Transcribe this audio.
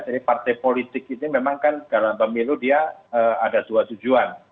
jadi partai politik ini memang kan dalam pemilu dia ada dua tujuan